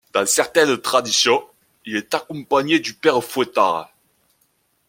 Dans certaines traditions, il est accompagné du Père Fouettard.